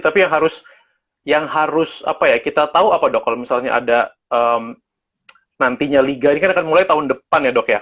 tapi yang harus kita tahu apa dok kalau misalnya ada nantinya liga ini kan akan mulai tahun depan ya dok ya